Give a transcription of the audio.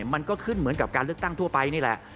มันก็ขึ้นเหมือนกับการเลือกตั้งทั่วไปนี่แหละ